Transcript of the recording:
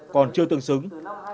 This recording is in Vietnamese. còn chưa tương xứng